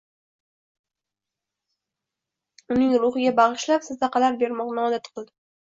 uning ruhiga bag'ishlab sadaqalar bermoqni odat qildi